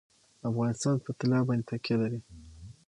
افغانستان په طلا باندې تکیه لري.